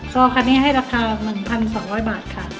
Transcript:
ก็คันนี้ให้ราคา๑๒๐๐บาทค่ะ